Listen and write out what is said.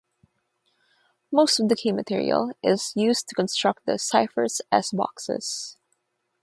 Most of the key material is used to construct the cipher's S-boxes.